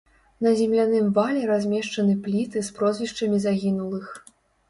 На земляным вале размешчаны пліты з прозвішчамі загінулых.